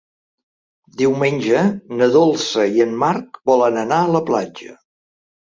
Diumenge na Dolça i en Marc volen anar a la platja.